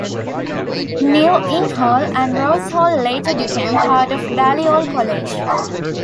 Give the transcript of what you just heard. New Inn Hall and Rose Hall later became part of Balliol College.